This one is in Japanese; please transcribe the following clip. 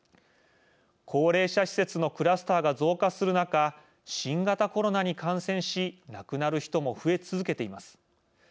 高齢者施設のクラスターが増加する中、新型コロナに感染し亡くなる人も増え続けています。